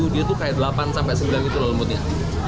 dia tuh kayak delapan sampai sembilan gitu loh lembutnya